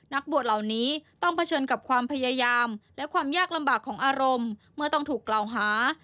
นักบวชเหล่านี้ต้องเผชิญกับความพยายามและความยากลำบากของอารมณ์เมื่อต้องถูกกล่าวหา